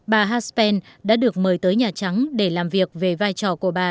bà haspen đã được mời tới nhà trắng để làm việc về vai trò của bà